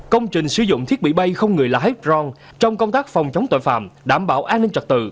công trình sử dụng thiết bị bay không người là hepron trong công tác phòng chống tội phạm đảm bảo an ninh trật tự